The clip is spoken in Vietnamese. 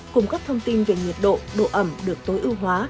cùng các thông tin về nhiệt độ độ ẩm được tối ưu hóa